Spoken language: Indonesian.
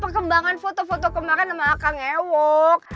perkembangan foto foto kemarin sama aka ngewok